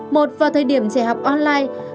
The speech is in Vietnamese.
một vào thời điểm trẻ học online